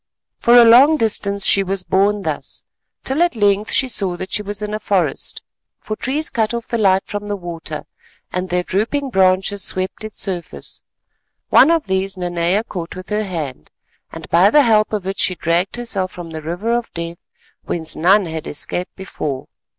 For a long distance she was borne thus till at length she saw that she was in a forest, for trees cut off the light from the water, and their drooping branches swept its surface. One of these Nanea caught with her hand, and by the help of it she dragged herself from the River of Death whence none had escaped before.